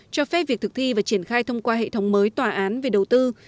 cho phép việc thực thi và triển khai thông qua hệ thống mới tòa án về đầu tư